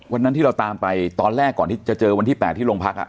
วันนั้นที่เราตามไปตอนแรกก่อนที่จะเจอวันที่๘ที่โรงพัก